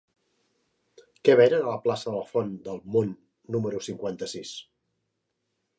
Què venen a la plaça de la Font del Mont número cinquanta-sis?